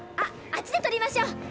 あっちでとりましょう。